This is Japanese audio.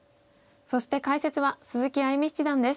そして解説は鈴木歩七段です。